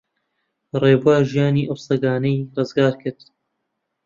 ڕێبوار ژیانی ئەو سەگانەی ڕزگار کرد.